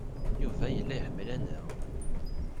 Yuba yella iḥemmel-aneɣ.